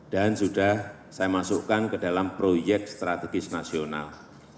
dan sudah saya masukkan ke dalam proyek strategis nasional